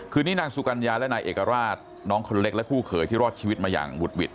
นี้นางสุกัญญาและนายเอกราชน้องคนเล็กและคู่เขยที่รอดชีวิตมาอย่างหุดหวิด